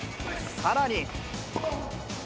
さらに。